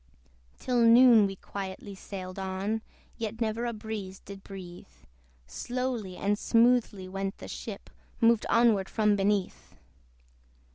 Till noon we quietly sailed on, Yet never a breeze did breathe: Slowly and smoothly went the ship, Moved onward from beneath.